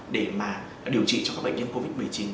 để mà điều trị cho các bệnh nhân covid một mươi chín